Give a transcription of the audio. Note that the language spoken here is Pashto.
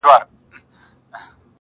پر موسم د ارغوان به مي سفر وي -